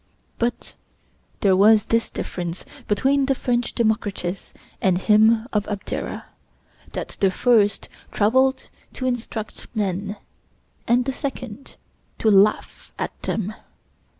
But there was this difference between the French Democritus and him of Abdera, that the first traveled to instruct men, and the second to laugh at them.